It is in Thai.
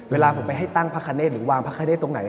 เวลาผมไปให้ตั้งพระคเนธหรือวางพระคเนธตรงไหน